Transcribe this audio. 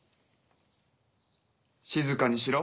静かにしろ。